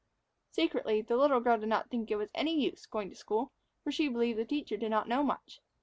Secretly the little girl did not think it was of any use going to school, for she believed the teacher did not know much.